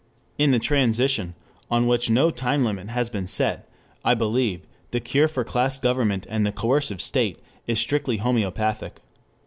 In the "transition," on which no time limit has been set, I believe, the cure for class government and the coercive state is strictly homeopathic.